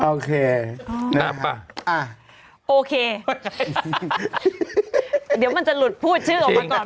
โอเคนับป่ะโอเคเดี๋ยวมันจะหลุดพูดชื่อออกมาก่อน